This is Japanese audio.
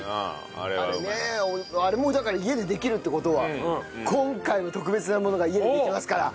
あれねあれもだから家でできるって事は今回も特別なものが家でできますから。